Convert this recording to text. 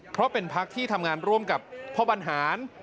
เพราะเป็นพักที่ทำงานร่วมกับพ่อบรรหาร